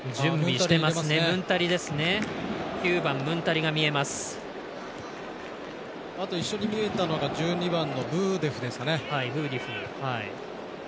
一緒に見えたのが１２番のブーディフですね。